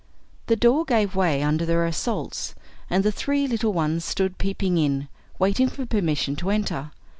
The door gave way under their assaults, and the three little ones stood peeping in, waiting for permission to enter.